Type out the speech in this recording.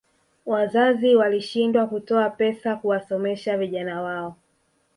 wazazi walishindwa kutoa pesa kuwasomesha vijana wao